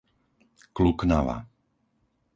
Kluknava